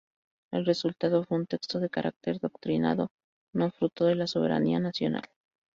El resultado fue un texto de carácter doctrinario, no fruto de la soberanía nacional.